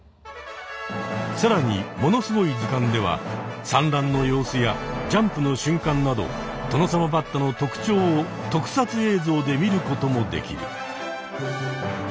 さらに「ものすごい図鑑」では産卵の様子やジャンプの瞬間などトノサマバッタの特徴を特撮映像で見る事もできる。